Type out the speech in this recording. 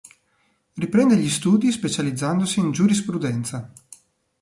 Riprende gli studi specializzandosi in giurisprudenza.